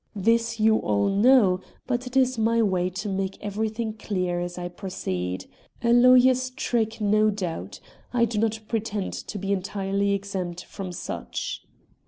This you all know, but it is my way to make everything clear as I proceed. A lawyer's trick, no doubt. I do not pretend to be entirely exempt from such."